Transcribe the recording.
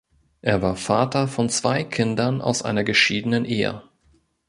Er war Vater von zwei Kindern aus einer geschiedenen Ehe.